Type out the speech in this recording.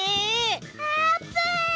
あーぷん！